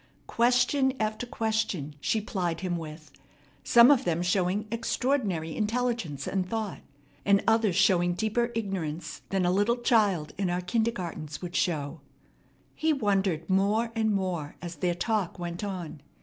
Question after question she plied him with, some of them showing extraordinary intelligence and thought, and others showing deeper ignorance than a little child in our kindergartens would show. He wondered more and more as their talk went on.